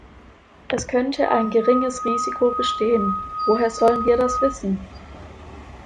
Es könnte ein geringes Risiko bestehen – woher sollen wir das wissen?